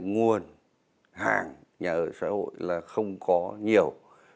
nguồn hàng nhà ở xã hội không có nhiều